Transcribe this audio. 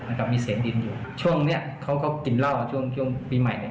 มีเสียงดินอยู่ช่วงเนี้ยเขาก็กินเหล้าช่วงช่วงปีใหม่เนี่ย